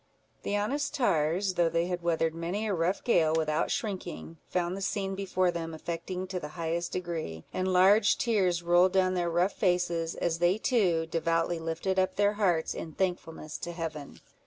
The honest tars, though they had weathered many a rough gale without shrinking, found the scene before them affecting to the highest degree; and large tears rolled down their rough faces, as they too devoutly lifted up their hearts in thankfulness to Heaven.